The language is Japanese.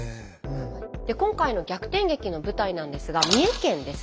で今回の逆転劇の舞台なんですが三重県です。